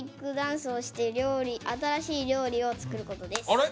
あれ？